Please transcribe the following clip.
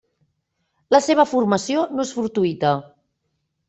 La seva formació no és fortuïta.